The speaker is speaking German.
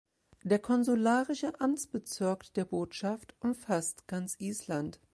Der konsularische Amtsbezirk der Botschaft umfasst ganz Island.